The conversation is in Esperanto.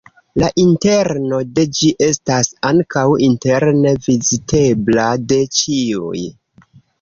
La interno de ĝi estas ankaŭ interne vizitebla de ĉiuj.